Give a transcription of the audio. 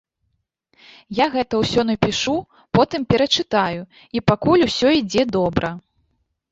Я гэта ўсё напішу, потым перачытаю, і пакуль усё ідзе добра.